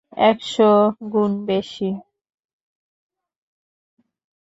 একশো গুণ বেশি।